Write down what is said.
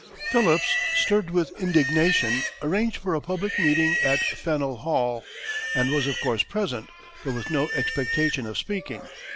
Phillips, stirred with indignation, arranged for a public meeting at Faneuil Hall, and was of course present, but with no expectation of speaking.